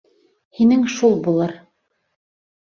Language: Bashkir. Һинең шул булыр.